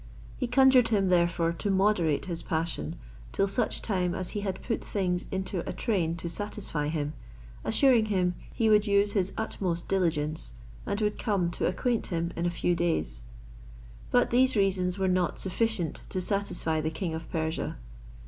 He conjured him, therefore, to moderate his passion, till such time as he had put things into a train to satisfy him, assuring him he would use his utmost diligence, and would come to acquaint him in a few days. But these reasons were not sufficient to satisfy the king of Persia.